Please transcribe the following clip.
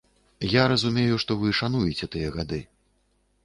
Я разумею, што вы шануеце тыя гады.